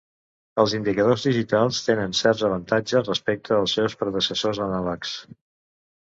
Els indicadors digitals tenen certs avantatges respecte als seus predecessors anàlegs.